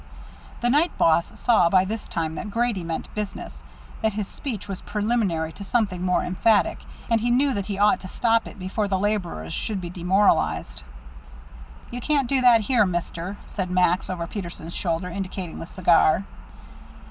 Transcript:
The night boss saw by this time that Grady meant business, that his speech was preliminary to something more emphatic, and he knew that he ought to stop it before the laborers should be demoralized. "You can't do that here, Mister," said Max, over Peterson's shoulder, indicating the cigar.